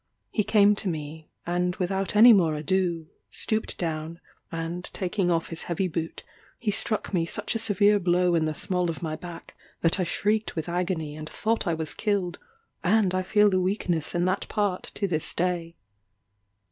He came to me, and without any more ado, stooped down, and taking off his heavy boot, he struck me such a severe blow in the small of my back, that I shrieked with agony, and thought I was killed; and I feel a weakness in that part to this day.